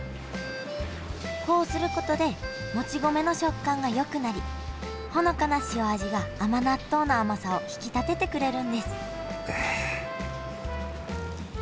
こうすることでもち米の食感がよくなりほのかな塩味が甘納豆の甘さを引き立ててくれるんです